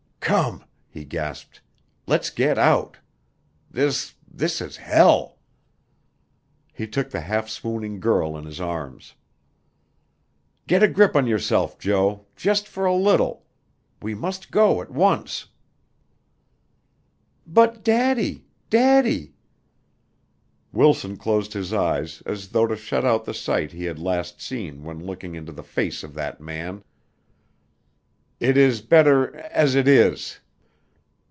"Come," he gasped. "Let's get out. This this is hell." He took the half swooning girl in his arms. "Get a grip on yourself, Jo just for a little. We must go at once." "But Daddy Daddy " Wilson closed his eyes as though to shut out the sight he had last seen when looking into the face of that man. "It is better as it is."